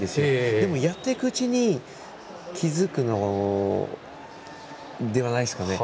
でも、やっていくうちに気付くのではないですかね。